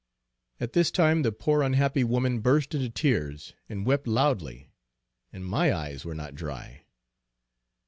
At this time the poor unhappy woman burst into tears and wept loudly; and my eyes were not dry.